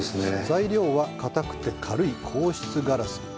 材料は硬くて軽い硬質ガラス。